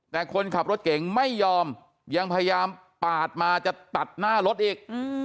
แต่คนขับรถเก่งไม่ยอมยังพยายามปาดมาจะตัดหน้ารถอีก